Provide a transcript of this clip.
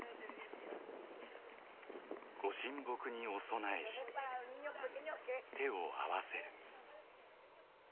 ご神木にお供えし手を合わせる。